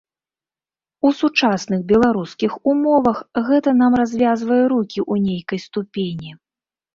У сучасных беларускіх умовах, гэта нам развязвае рукі ў нейкай ступені.